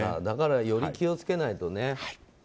だからより気を付けないとね。